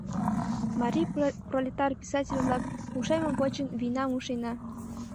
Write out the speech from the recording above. Марий пролетар писатель-влак, ушемым почын, вийнам ушена.